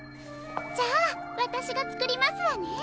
じゃあわたしがつくりますわね。